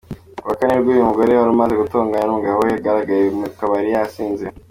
Kuwa Kane nabwo uyu mugore wari umaze gutongana n’umugabo yagaragaye mu kabari yasinze.